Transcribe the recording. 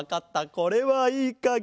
これはいいかげ！